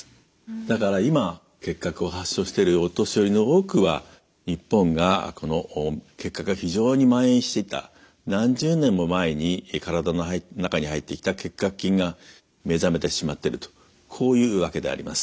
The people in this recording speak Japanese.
だから今結核を発症しているお年寄りの多くは日本がこの結核が非常にまん延していた何十年も前に体の中に入ってきた結核菌が目覚めてしまっているとこういうわけであります。